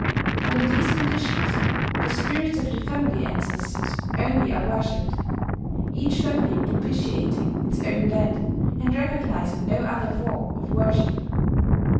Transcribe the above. Under these conditions, the spirits of the family ancestors only are worshipped; each family propitiating its own dead, and recognizing no other form of worship.